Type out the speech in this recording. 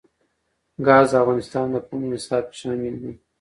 ګاز د افغانستان د پوهنې نصاب کې شامل دي.